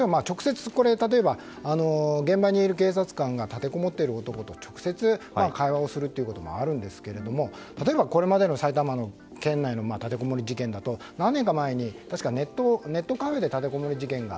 例えば現場にいる警察官が立てこもっている男と直接会話をすることもあるんですが例えば、これまでの埼玉県内の立てこもり事件だと何年か前に、ネットカフェで立てこもり事件が。